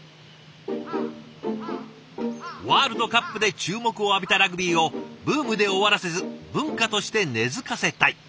ワールドカップで注目を浴びたラグビーをブームで終わらせず文化として根づかせたい。